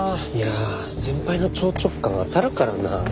いやあ先輩の超直感当たるからな。